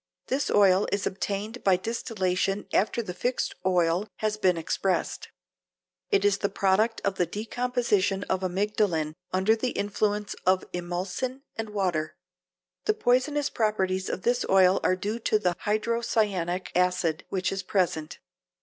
This oil is obtained by distillation after the fixed oil has been expressed. It is the product of the decomposition of amygdalin under the influence of emulsin and water. The poisonous properties of this oil are due to the hydrocyanic acid which is present.